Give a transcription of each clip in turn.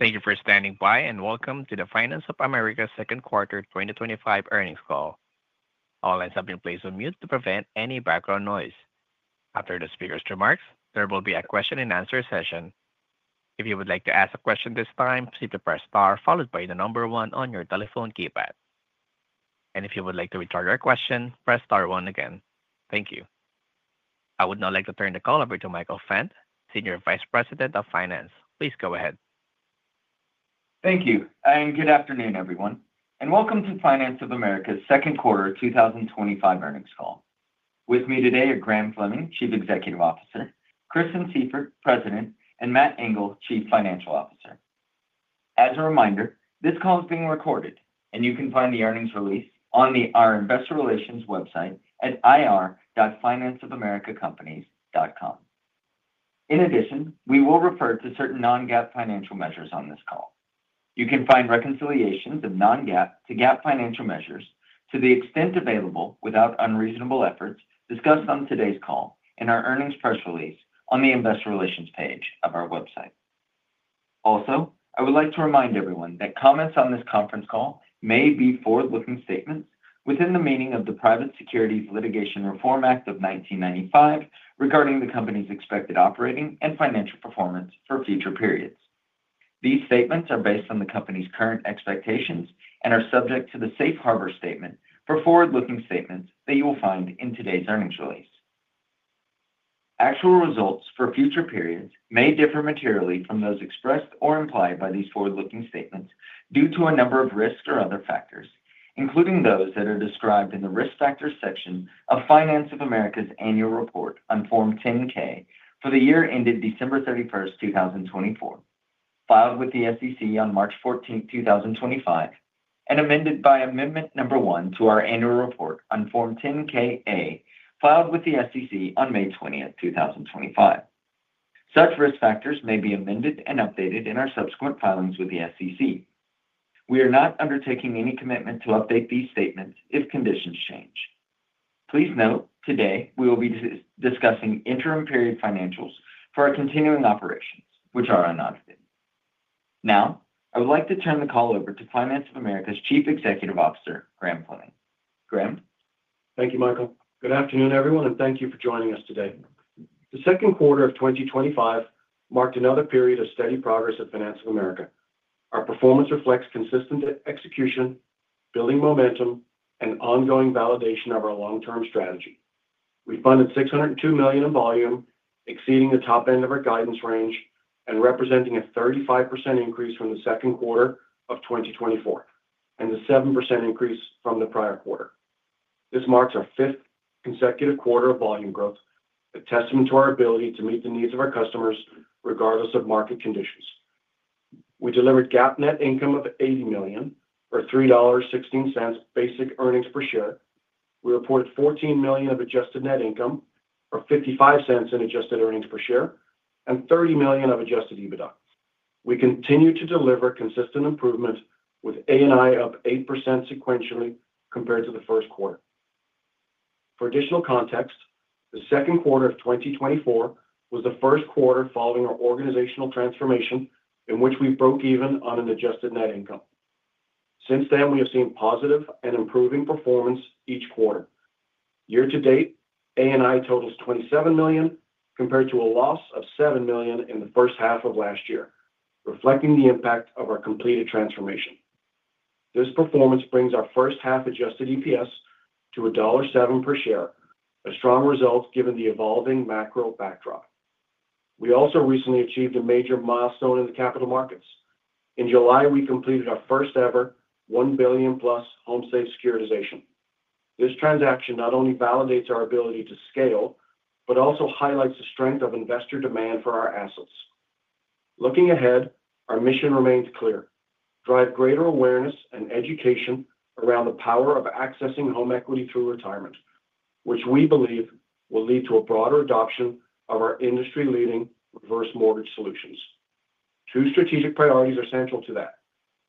Thank you for standing by and welcome to the Finance of America Companies Second Quarter 2025 Earnings Call. All lines have been placed on mute to prevent any background noise. After the speaker's remarks, there will be a question and answer session. If you would like to ask a question at this time, please press star followed by the number one on your telephone keypad. If you would like to return your question, press star one again. Thank you. I would now like to turn the call over to Michael Fant, Senior Vice President of Finance. Please go ahead. Thank you, and good afternoon, everyone, and welcome to Finance of America Companies Inc.'s Second Quarter 2025 Earnings Call. With me today are Graham Fleming, Chief Executive Officer; Kristen Sieffert, President; and Matt Engel, Chief Financial Officer. As a reminder, this call is being recorded, and you can find the earnings release on our investor relations website at ir.financeofamericacompanies.com. In addition, we will refer to certain non-GAAP financial measures on this call. You can find reconciliations of non-GAAP to GAAP financial measures, to the extent available without unreasonable efforts, discussed on today's call in our earnings press release on the Investor Relations page of our website. Also, I would like to remind everyone that comments on this conference call may be forward-looking statements within the meaning of the Private Securities Litigation Reform Act of 1995 regarding the company's expected operating and financial performance for future periods. These statements are based on the company's current expectations and are subject to the safe harbor statement for forward-looking statements that you will find in today's earnings release. Actual results for future periods may differ materially from those expressed or implied by these forward-looking statements due to a number of risks or other factors, including those that are described in the Risk Factors section of Finance of America Companies Annual Report on Form 10-K for the year ended December 31st, 2024, filed with the SEC on March 14th, 2025, and amended by Amendment Number 1 to our Annual Report on Form 10-K/A filed with the SEC on May 20th, 2025. Such risk factors may be amended and updated in our subsequent filings with the SEC. We are not undertaking any commitment to update these statements if conditions change. Please note, today we will be discussing interim period financials for our continuing operations, which are in audit. Now, I would like to turn the call over to Finance of America Companies Chief Executive Officer, Graham Fleming. Graham? Thank you, Michael. Good afternoon, everyone, and thank you for joining us today. The second quarter of 2025 marked another period of steady progress at Finance of America Companies. Our performance reflects consistent execution, building momentum, and ongoing validation of our long-term strategy. We funded $602 million in volume, exceeding the top end of our guidance range and representing a 35% increase from the second quarter of 2024 and a 7% increase from the prior quarter. This marks our fifth consecutive quarter of volume growth, a testament to our ability to meet the needs of our customers regardless of market conditions. We delivered GAAP net income of $80 million, or $3.16 basic earnings per share. We reported $14 million of adjusted net income, or $0.55 in adjusted earnings per share, and $30 million of adjusted EBITDA. We continue to deliver consistent improvements with ANI up 8% sequentially compared to the first quarter. For additional context, the second quarter of 2024 was the first quarter following our organizational transformation in which we broke even on an adjusted net income. Since then, we have seen positive and improving performance each quarter. Year to date, ANI totals $27 million compared to a loss of $7 million in the first half of last year, reflecting the impact of our completed transformation. This performance brings our first half adjusted EPS to $1.07 per share, a strong result given the evolving macro backdrop. We also recently achieved a major milestone in the capital markets. In July, we completed our first-ever $1 billion plus HomeSafe securitization. This transaction not only validates our ability to scale but also highlights the strength of investor demand for our assets. Looking ahead, our mission remains clear: drive greater awareness and education around the power of accessing home equity through retirement, which we believe will lead to a broader adoption of our industry-leading reverse mortgage solutions. Two strategic priorities are central to that: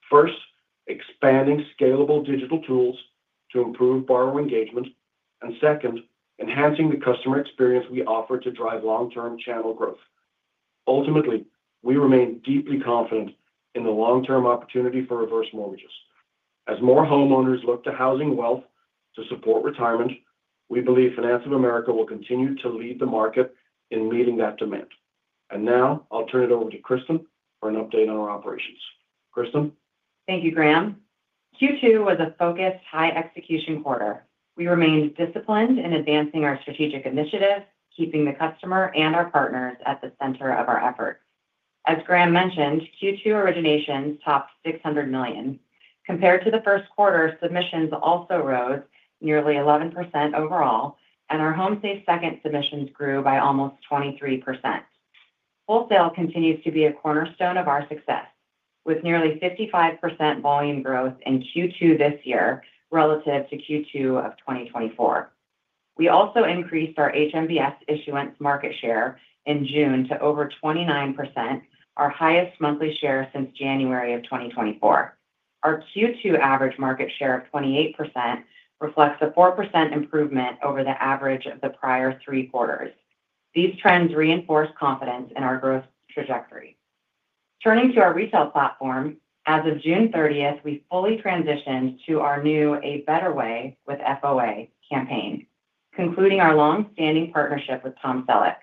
first, expanding scalable digital tools to improve borrower engagement; and second, enhancing the customer experience we offer to drive long-term channel growth. Ultimately, we remain deeply confident in the long-term opportunity for reverse mortgages. As more homeowners look to housing wealth to support retirement, we believe Finance of America Companies will continue to lead the market in meeting that demand. Now, I'll turn it over to Kristen for an update on our operations. Kristen? Thank you, Graham. Q2 was a focused, high-execution quarter. We remained disciplined in advancing our strategic initiative, keeping the customer and our partners at the center of our efforts. As Graham mentioned, Q2 originations topped $600 million. Compared to the first quarter, submissions also rose nearly 11% overall, and our HomeSafe second submissions grew by almost 23%. Wholesale continues to be a cornerstone of our success, with nearly 55% volume growth in Q2 this year relative to Q2 of 2024. We also increased our HMBS issuance market share in June to over 29%, our highest monthly share since January of 2024. Our Q2 average market share of 28% reflects a 4% improvement over the average of the prior three quarters. These trends reinforce confidence in our growth trajectory. Turning to our retail platform, as of June 30, we fully transitioned to our new "A Better Way with FOA" campaign, concluding our longstanding partnership with Tom Selleck.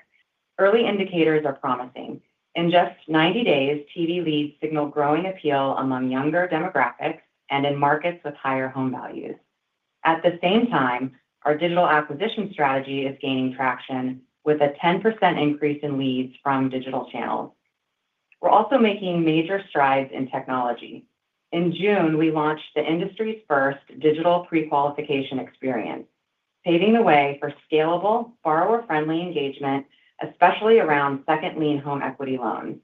Early indicators are promising. In just 90 days, TV leads signal growing appeal among younger demographics and in markets with higher home values. At the same time, our digital acquisition strategy is gaining traction, with a 10% increase in leads from digital channels. We're also making major strides in technology. In June, we launched the industry's first digital pre-qualification experience, paving the way for scalable, borrower-friendly engagement, especially around second lien home equity loans.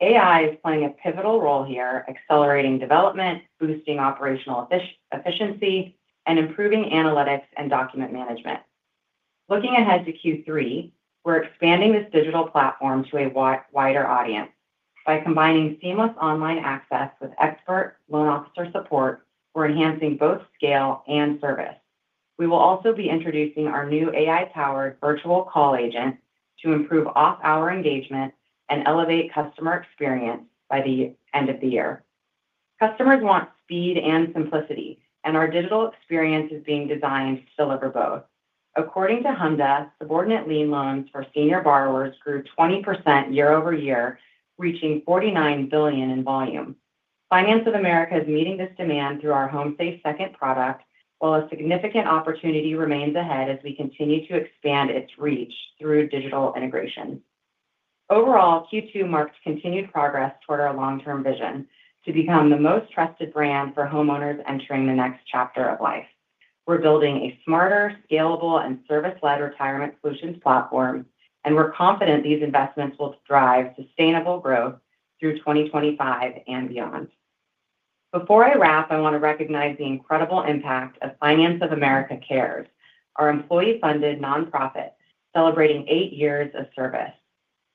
AI is playing a pivotal role here, accelerating development, boosting operational efficiency, and improving analytics and document management. Looking ahead to Q3, we're expanding this digital platform to a wider audience. By combining seamless online access with expert loan officer support, we're enhancing both scale and service. We will also be introducing our new AI-powered virtual call agent to improve off-hour engagement and elevate customer experience by the end of the year. Customers want speed and simplicity, and our digital experience is being designed to deliver both. According to Honda, subordinate lien loans for senior borrowers grew 20% year-over-year, reaching $49 billion in volume. Finance of America Companies is meeting this demand through our HomeSafe second product, while a significant opportunity remains ahead as we continue to expand its reach through digital integration. Overall, Q2 marked continued progress toward our long-term vision to become the most trusted brand for homeowners entering the next chapter of life. We're building a smarter, scalable, and service-led retirement solutions platform, and we're confident these investments will drive sustainable growth through 2025 and beyond. Before I wrap, I want to recognize the incredible impact of Finance of America Cares, our employee-funded nonprofit celebrating eight years of service.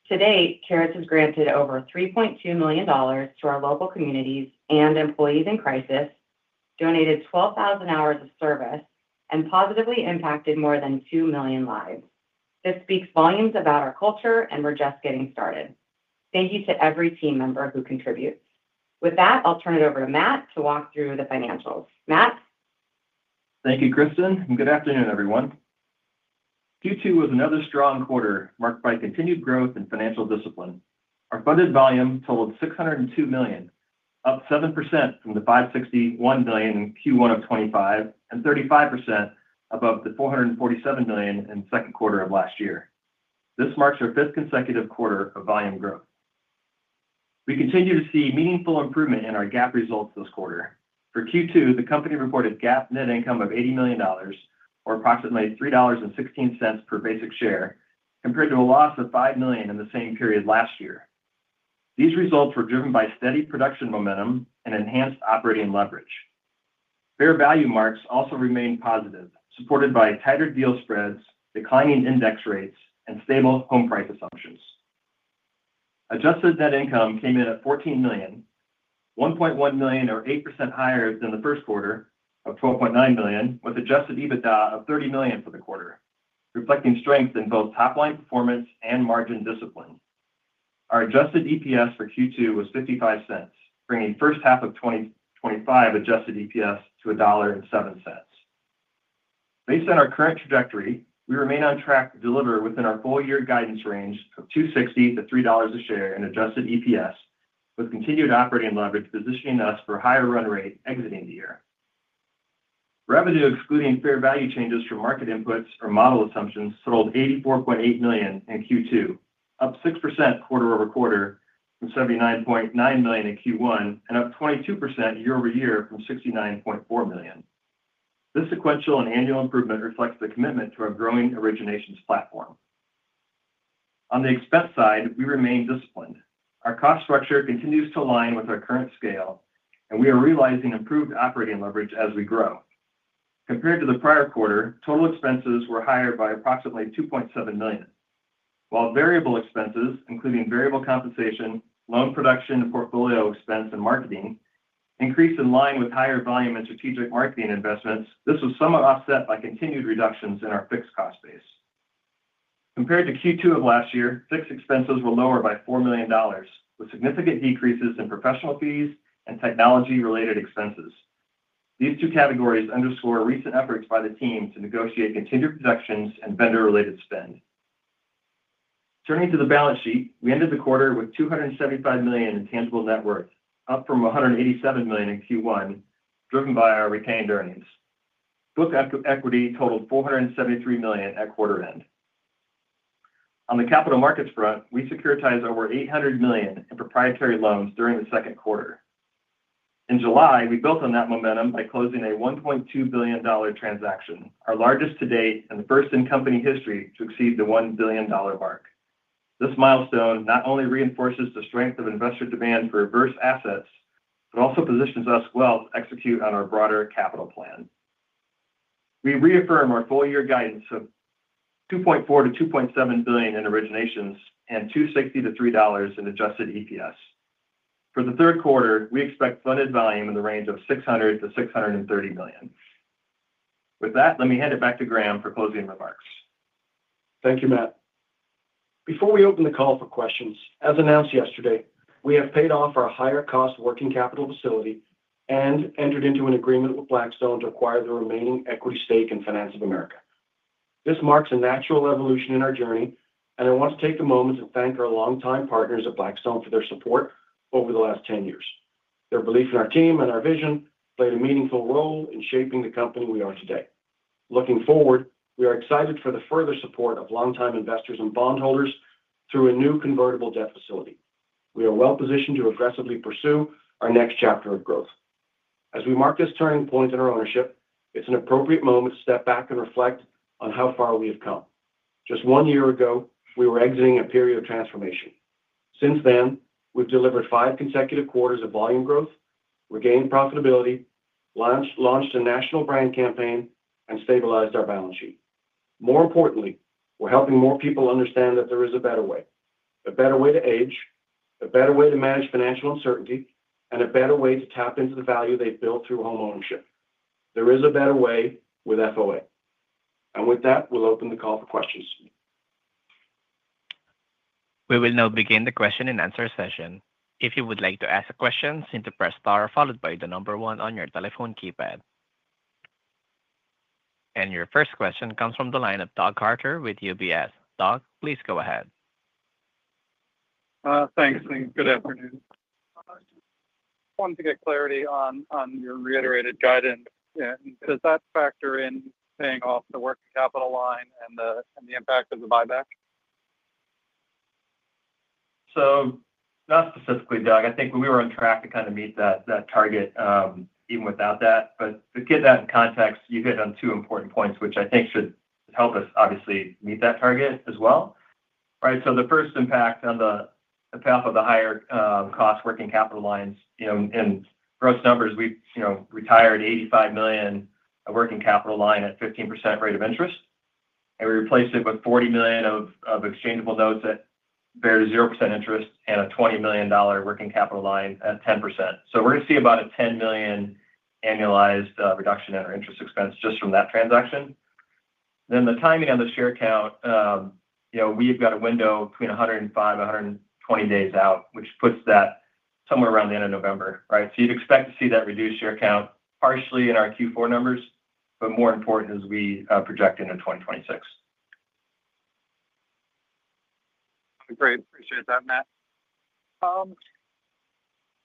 To date, Cares has granted over $3.2 million to our local communities and employees in crisis, donated 12,000 hours of service, and positively impacted more than 2 million lives. This speaks volumes about our culture, and we're just getting started. Thank you to every team member who contributes. With that, I'll turn it over to Matt to walk through the financials. Matt? Thank you, Kristen, and good afternoon, everyone. Q2 was another strong quarter marked by continued growth in financial discipline. Our funded volume totaled $602 million, up 7% from the $561 million in Q1 of 2025, and 35% above the $447 million in the second quarter of last year. This marks our fifth consecutive quarter of volume growth. We continue to see meaningful improvement in our GAAP results this quarter. For Q2, the company reported GAAP net income of $80 million, or approximately $3.16 per basic share, compared to a loss of $5 million in the same period last year. These results were driven by steady production momentum and enhanced operating leverage. Fair value marks also remained positive, supported by tighter deal spreads, declining index rates, and stable home price assumptions. Adjusted net income came in at $14 million, $1.1 million, or 8% higher than the first quarter of $12.9 million, with an adjusted EBITDA of $30 million for the quarter, reflecting strength in both top-line performance and margin discipline. Our adjusted EPS for Q2 was $0.55, bringing the first half of 2025 adjusted EPS to $1.07. Based on our current trajectory, we remain on track to deliver within our full-year guidance range of $2.60 to $3 a share in adjusted EPS, with continued operating leverage positioning us for a higher run rate exiting the year. Revenue excluding fair value changes from market inputs or model assumptions totaled $84.8 million in Q2, up 6% quarter over quarter from $79.9 million in Q1, and up 22% year-over-year from $69.4 million. This sequential and annual improvement reflects the commitment to our growing originations platform. On the expense side, we remain disciplined. Our cost structure continues to align with our current scale, and we are realizing improved operating leverage as we grow. Compared to the prior quarter, total expenses were higher by approximately $2.7 million. While variable expenses, including variable compensation, loan production, portfolio expense, and marketing, increase in line with higher volume and strategic marketing investments, this was somewhat offset by continued reductions in our fixed cost base. Compared to Q2 of last year, fixed expenses were lower by $4 million, with significant decreases in professional fees and technology-related expenses. These two categories underscore recent efforts by the team to negotiate continued reductions in vendor-related spend. Turning to the balance sheet, we ended the quarter with $275 million in tangible net worth, up from $187 million in Q1, driven by our retained earnings. Book equity totaled $473 million at quarter end. On the capital markets front, we securitized over $800 million in proprietary loans during the second quarter. In July, we built on that momentum by closing a $1.2 billion transaction, our largest to date and the first in company history to exceed the $1 billion mark. This milestone not only reinforces the strength of investor demand for reverse assets, but also positions us well to execute on our broader capital plan. We reaffirm our full-year guidance of $2.4 billion-$2.7 billion in originations and $2.60-$3 in adjusted EPS. For the third quarter, we expect funded volume in the range of $600 million-$630 million. With that, let me hand it back to Graham for closing remarks. Thank you, Matt. Before we open the call for questions, as announced yesterday, we have paid off our higher-cost working capital facility and entered into an agreement with Blackstone to acquire the remaining equity stake in Finance of America Companies. This marks a natural evolution in our journey, and I want to take a moment to thank our longtime partners at Blackstone for their support over the last 10 years. Their belief in our team and our vision played a meaningful role in shaping the company we are today. Looking forward, we are excited for the further support of longtime investors and bondholders through a new convertible debt facility. We are well-positioned to aggressively pursue our next chapter of growth. As we mark this turning point in our ownership, it's an appropriate moment to step back and reflect on how far we have come. Just one year ago, we were exiting a period of transformation. Since then, we've delivered five consecutive quarters of volume growth, regained profitability, launched a national brand campaign, and stabilized our balance sheet. More importantly, we're helping more people understand that there is a better way, a better way to age, a better way to manage financial uncertainty, and a better way to tap into the value they've built through homeownership. There is a better way with FOA. With that, we'll open the call for questions. We will now begin the question and answer session. If you would like to ask a question, simply press star followed by the number one on your telephone keypad. Your first question comes from the line of Doug Carter with UBS. Doug, please go ahead. Thanks, Ling. Good afternoon. I wanted to get clarity on your reiterated guidance. Does that factor in paying off the working capital line and the impact of the buyback? Not specifically, Doug. I think we were on track to kind of meet that target even without that. To get that in context, you hit on two important points, which I think should help us obviously meet that target as well. The first impact on the path of the higher-cost working capital lines, you know, in gross numbers, we've retired $85 million of working capital line at 15% rate of interest. We replaced it with $40 million of exchangeable notes at 0% interest and a $20 million working capital line at 10%. We're going to see about a $10 million annualized reduction in our interest expense just from that transaction. The timing on the share count, you know, we've got a window between 105 and 120 days out, which puts that somewhere around the end of November. You'd expect to see that reduced share count partially in our Q4 numbers, but more important is we project into 2026. That'd be great. Appreciate that, Matt.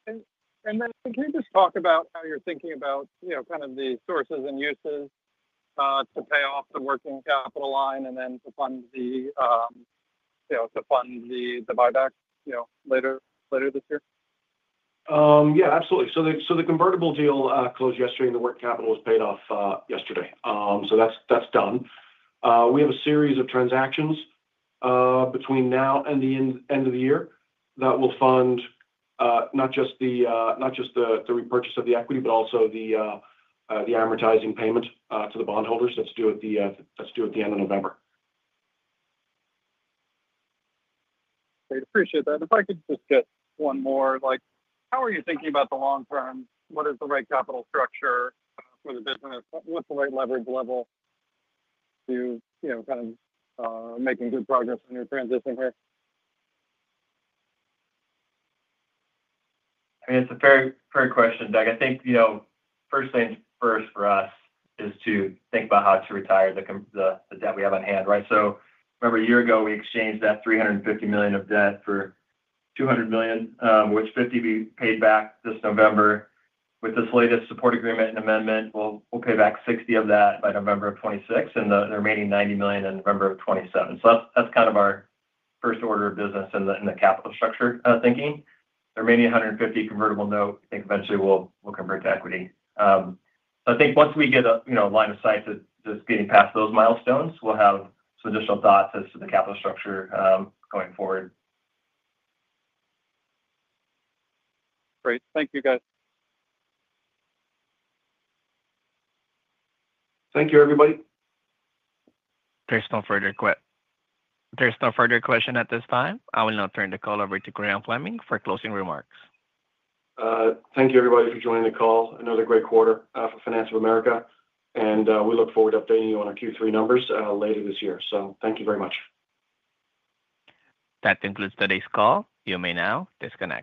Can you just talk about how you're thinking about the sources and uses to pay off the working capital line and then to fund the buyback later this year? Absolutely. The convertible deal closed yesterday and the working capital was paid off yesterday. That's done. We have a series of transactions between now and the end of the year that will fund not just the repurchase of the equity, but also the amortizing payment to the bondholders that's due at the end of November. Great. Appreciate that. If I could just get one more, how are you thinking about the long term? What is the right capital structure for the business? What's the right leverage level to, you know, kind of making good progress in your transition here? I mean, it's a fair question, Doug. I think, you know, first things first for us is to think about how to retire the debt we have on hand. Right? Remember a year ago we exchanged that $350 million of debt for $200 million, which $50 million will be paid back this November. With this latest support agreement and amendment, we'll pay back $60 million of that by November of 2026, and the remaining $90 million in November of 2027. That's kind of our first order of business in the capital structure thinking. The remaining $150 million convertible note, I think eventually will convert to equity. I think once we get a line of sight to just getting past those milestones, we'll have some additional thoughts as to the capital structure going forward. Great. Thank you, guys. Thank you, everybody. There's no further questions at this time. I will now turn the call over to Graham Fleming for closing remarks. Thank you, everybody, for joining the call. Another great quarter for Finance of America Companies, and we look forward to updating you on our Q3 numbers later this year. Thank you very much. That concludes today's call. You may now disconnect.